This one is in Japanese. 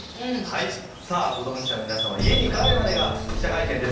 さあ子ども記者の皆様家に帰るまでが記者会見です。